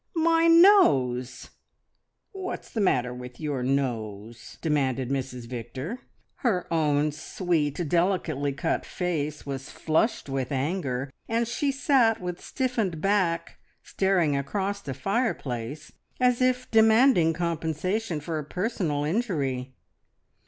My nose!" "What's the matter with your nose?" demanded Mrs Victor. Her own sweet, delicately cut face was flushed with anger, and she sat with stiffened back staring across the fireplace as if demanding compensation for a personal injury.